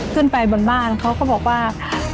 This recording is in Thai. ขึ้นไปบนบ้านเขาก็บอกว่า